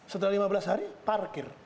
setelah lima belas hari parkir